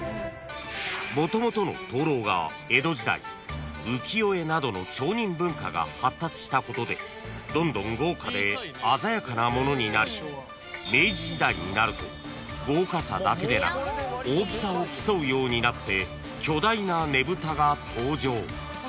［もともとの灯籠が江戸時代浮世絵などの町人文化が発達したことでどんどん豪華で鮮やかなものになり明治時代になると豪華さだけでなく大きさを競うようになって巨大なねぶたが登場］